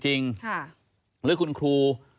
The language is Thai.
หรือคุณครู